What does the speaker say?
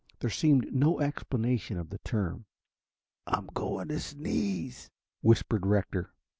There seemed no explanation of the term. "I'm going to sneeze," whispered Rector.